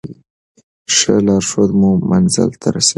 ښه لارښود مو منزل ته رسوي.